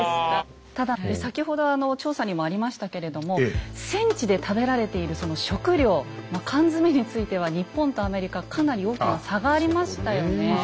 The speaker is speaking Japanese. ただ先ほどあの調査にもありましたけれども戦地で食べられているその食糧まあ缶詰については日本とアメリカかなり大きな差がありましたよね。